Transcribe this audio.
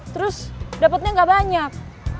terus dapetnya nggak banyak